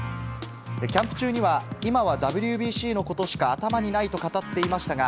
キャンプ中には、今はＷＢＣのことしか頭にないと語っていましたが、